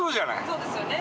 そうですよね。